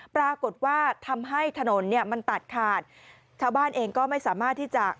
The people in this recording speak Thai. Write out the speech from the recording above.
ปรากฏว่าทำให้ถนนเนี่ยมันตัดขาดชาวบ้านเองก็ไม่สามารถที่จะ